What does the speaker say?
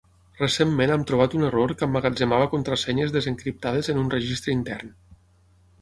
Recentment hem trobat un error que emmagatzemava contrasenyes des-encriptades en un registre intern.